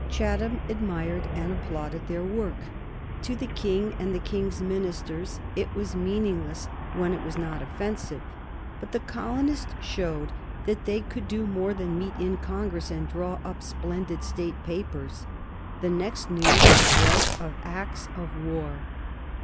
Chatham admired and applauded their work. To the King and the King's ministers it was meaningless when it was not offensive. But the colonists showed that they could do more than meet in Congresses and draw up splendid State Papers. The next news was of acts of war.